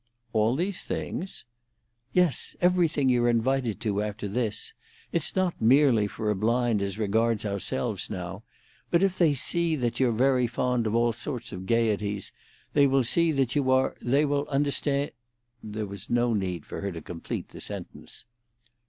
"All these things?" "Yes, everything you're invited to after this. It's not merely for a blind as regards ourselves now, but if they see that you're very fond of all sorts of gaieties, they will see that you are—they will understand——" There was no need for her to complete the sentence.